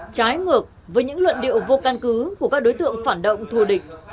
trái ngược với những luận điệu vô căn cứ của các đối tượng phản động thù địch